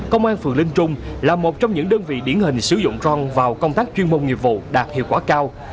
công an phường linh trung là một trong những đơn vị điển hình sử dụng rong vào công tác chuyên môn nghiệp vụ đạt hiệu quả cao